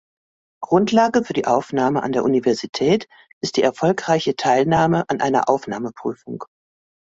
Grundlage für die Aufnahme an der Universität ist die erfolgreiche Teilnahme an einer Aufnahmeprüfung.